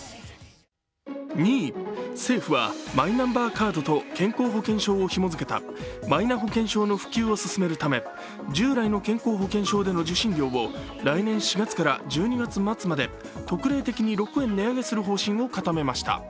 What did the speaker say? ２位、政府はマイナンバーカードと健康保険証をひも付けたマイナ保険証の普及を進めるため従来の健康保険証での受診料を来年４月から１２月末まで特例的に６円値上げする方針を固めました。